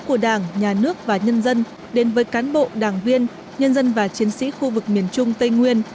của đảng nhà nước và nhân dân đến với cán bộ đảng viên nhân dân và chiến sĩ khu vực miền trung tây nguyên